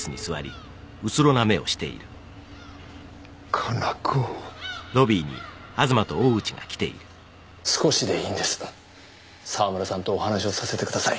加奈子少しでいいんです沢村さんとお話をさせてください